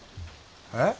えっ？